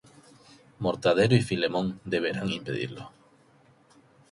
Mortadelo y Filemón deberán impedirlo.